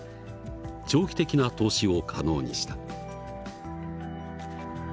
長期的な投資を可能にした。